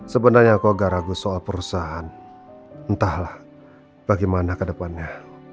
sebenarnya aku gak ragu soal perusahaan entahlah bagaimana ke depannya